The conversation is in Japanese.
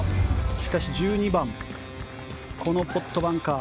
しかし１２番このポットバンカー。